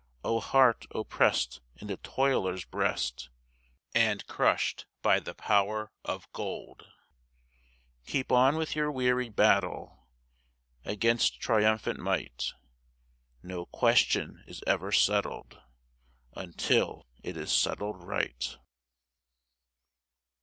O heart oppressed in the toiler's breast And crushed by the power of gold Keep on with your weary battle Against triumphant might; No question is ever settled Until it is settled right.